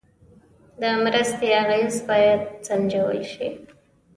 د مرستې اغېز باید سنجول شي.